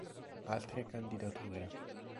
Altre candidature